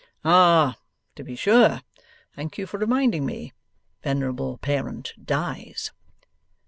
'Ah! To be sure. Thank you for reminding me. Venerable parent dies.